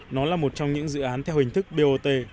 nó là một trong những dự án theo hình thức bot